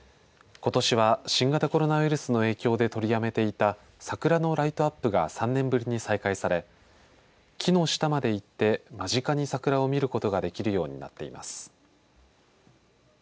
ことしは新型コロナウイルスの影響で取りやめていた桜のライトアップが３年ぶりに再開され木の下まで行って間近に桜を見ることができるようになっています。